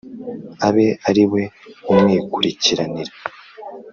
abe ari we umwikurikiranira.